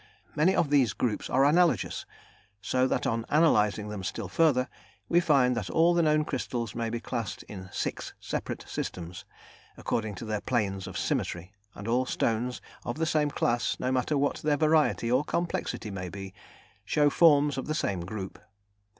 Many of these groups are analogous, so that on analysing them still further we find that all the known crystals may be classed in six separate systems according to their planes of symmetry, and all stones of the same class, no matter what their variety or complexity may be, show forms of the same group.